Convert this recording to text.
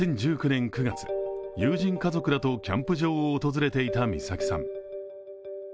２０１９年９月、友人家族らとキャンプ場を訪れていた美咲さん。